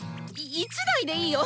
１台でいいよ！